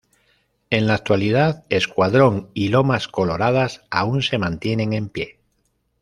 En la actualidad Escuadrón y Lomas Coloradas aún se mantienen en pie.